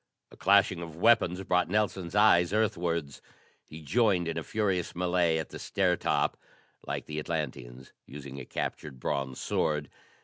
A clashing of weapons brought Nelson's eyes earthwards. He joined in a furious melée at the stair top, like the Atlanteans, using a captured bronze sword.